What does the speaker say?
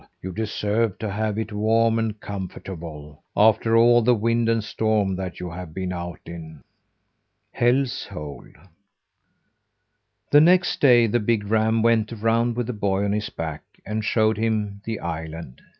You deserve to have it warm and comfortable, after all the wind and storm that you have been out in." HELL'S HOLE The next day the big ram went around with the boy on his back, and showed him the island.